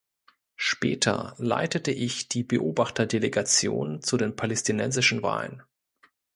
Später leitete ich die Beobachterdelegation zu den palästinensischen Wahlen.